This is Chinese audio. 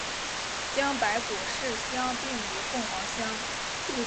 将白果市乡并入凤凰乡。